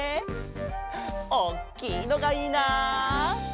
おっきいのがいいな。